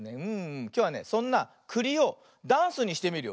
きょうはねそんなくりをダンスにしてみるよ。